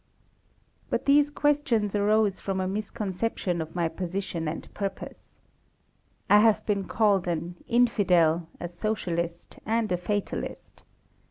But these questions arose from a misconception of my position and purpose. I have been called an "Infidel," a Socialist, and a Fatalist.